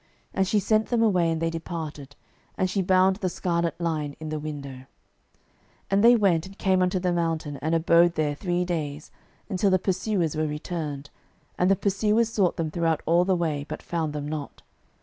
And she sent them away, and they departed: and she bound the scarlet line in the window. 06:002:022 And they went, and came unto the mountain, and abode there three days, until the pursuers were returned: and the pursuers sought them throughout all the way, but found them not.